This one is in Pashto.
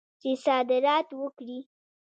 چې صادرات وکړي.